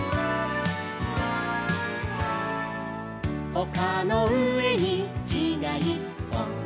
「おかのうえにきがいっぽん」